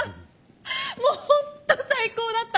もうホント最高だった！